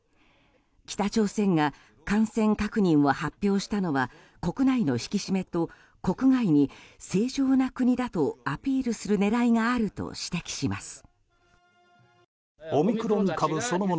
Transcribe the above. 北朝鮮が感染確認を発表したのは国内の引き締めと国外に正常な国だとアピールする狙いがあると指摘します。